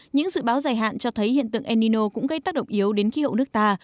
những dự báo dài hạn cho thấy hiện tượng enino cũng gây tác động yếu đến khí hậu nước ta